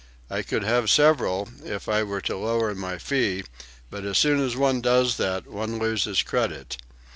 I could have several if I were to lower my fee; but as soon as one does that one loses credit.